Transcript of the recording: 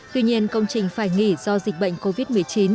tuy nhiên công trình phải nghỉ do dịch bệnh covid một mươi chín